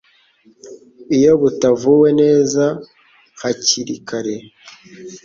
iyo butavuwe neza hakiri kare.